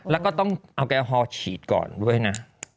แล้วก็ต้องเอาแอลกอฮอลฉีดก่อนด้วยนะ